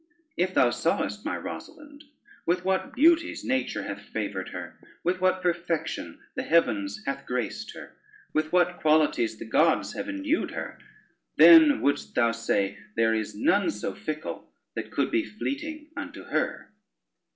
If thou sawest my Rosalynde, with what beauties nature hath favored her, with what perfection the heavens hath graced her, with what qualities the gods have endued her, then wouldst thou say, there is none so fickle that could be fleeting unto her.